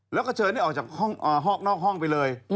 แล้วก็เจอได้ออกจากห้องห้อคนอกห้องไปเลย